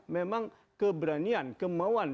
memang keberanian kemauan